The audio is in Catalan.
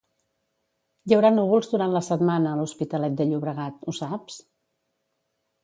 Hi haurà núvols durant la setmana a l'Hospitalet de Llobregat, ho saps?